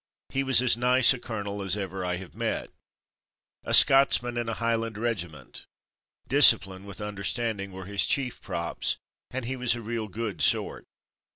He was as nice a colonel as ever I have met. A Scotsman, Meet My CO, Im in a Highland regiment. Discipline with understanding were his chief props, and he was a real good sort.